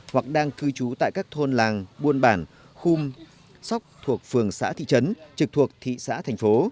hoặc đang cư trú tại các thôn làng buôn bản khu sóc thuộc phường xã thị trấn trực thuộc thị xã thành phố